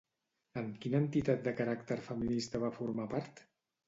En quina entitat de caràcter feminista va formar part?